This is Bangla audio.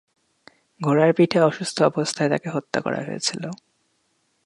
ঘোড়ার পিঠে অসুস্থ অবস্থায় তাকে হত্যা করা হয়েছিল।